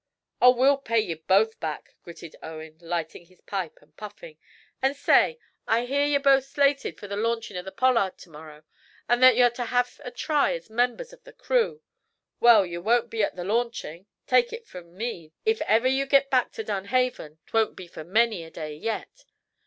"Oh, we'll pay ye both back," gritted Owen, lighting his pipe and puffing. "An' say! I hear ye're both slated for the launchin' of the 'Pollard' to morrow, and that ye're to have a try as members of the crew. Well, ye won't be at the launching! Take it from me that, if ye ever git back to Dunhaven, 'twon't be for many a day yet.